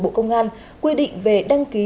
bộ công an quy định về đăng ký